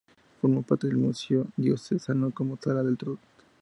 Forma parte del museo diocesano como sala del tesoro.